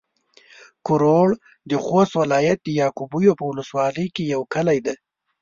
کرړو د خوست ولايت د يعقوبيو په ولسوالۍ کې يو کلی دی